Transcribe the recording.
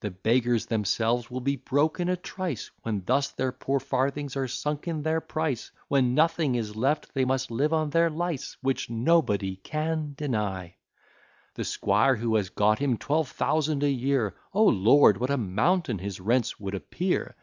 The beggars themselves will be broke in a trice, When thus their poor farthings are sunk in their price; When nothing is left they must live on their lice. Which, &c. The squire who has got him twelve thousand a year, O Lord! what a mountain his rents would appear!